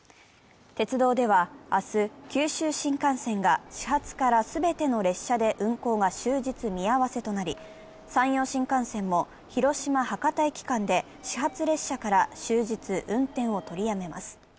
鉄道では明日、九州新幹線が始発から全ての列車で運行が終日見合わせとなり山陽新幹線も広島駅−博多駅間で始発列車から終日運転を取りやめます。